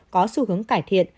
có xu hướng cải thiện